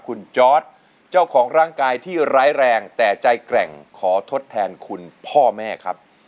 คุณจอร์ดเจ้าของร่างกายที่ร้ายแรงแต่ใจแกร่งขอทดแทนคุณพ่อแม่ครับ